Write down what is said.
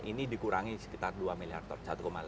ini dikurangi sekitar dua miliar ton satu delapan